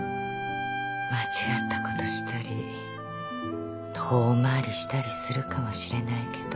間違ったことしたり遠回りしたりするかもしれないけど。